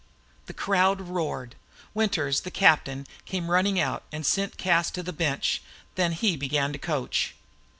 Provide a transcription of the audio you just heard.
The crowd roared. Winters, the captain, came running out and sent Cas to the bench. Then he began to coach.